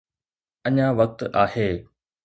اڃا وقت آهي.